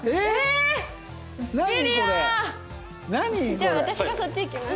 じゃあ私がそっち行きます。